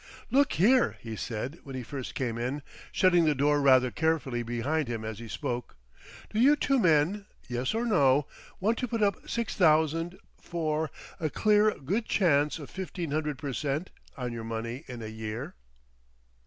"Look here," he said when he first came in, shutting the door rather carefully behind him as he spoke, "do you two men—yes or no—want to put up six thousand—for—a clear good chance of fifteen hundred per cent. on your money in a year?"